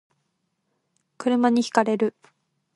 車に轢かれる